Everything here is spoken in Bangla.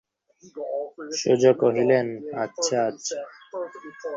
সুজা কহিলেন, আচ্ছা আচ্ছা!